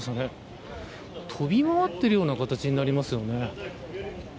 飛び回っているような形になりますよね。